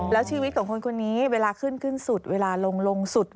แล้วชีวิตของคนคนนี้เวลาขึ้นขึ้นสุดเวลาลงลงสุด